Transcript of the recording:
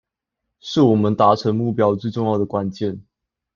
是我們達成目標最重要的關鍵